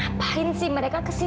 ngapain sih mereka kesini